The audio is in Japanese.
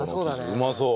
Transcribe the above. うまそう。